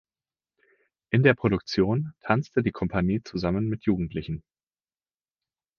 In der Produktion tanzte die Compagnie zusammen mit Jugendlichen.